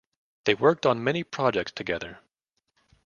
They worked on many projects together.